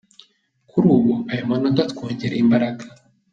Kuri ubu aya manota atwongereye imbaraga.